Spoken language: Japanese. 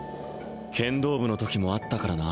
剣道部のときもあったからな